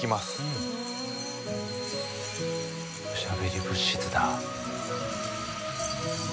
おしゃべり物質だ。